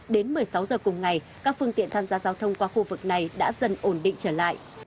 đến một mươi sáu giờ cùng ngày các phương tiện tham gia giao thông qua khu vực này đã dần ổn định trở lại